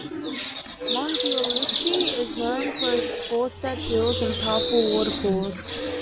Mondulkiri is known for its forested hills and powerful waterfalls.